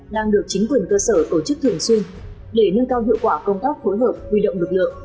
đang được chính quyền cơ sở tổ chức thường xuyên để nâng cao hiệu quả công tác phối hợp huy động lực lượng